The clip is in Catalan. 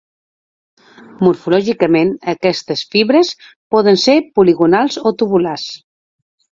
Morfològicament, aquestes fibres poden ser poligonals o tubulars.